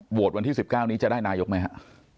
โหวตวันที่๑๙นี้จะได้นายกไหมฮะ